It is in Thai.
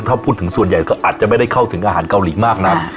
ถ้าพูดถึงส่วนใหญ่ก็อาจจะไม่ได้เข้าถึงอาหารเกาหลีมากนัก